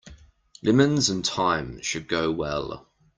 Lemons and thyme should go well.